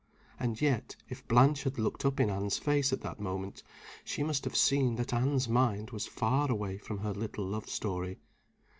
And yet, if Blanche had looked up in Anne's face at that moment, she must have seen that Anne's mind was far away from her little love story.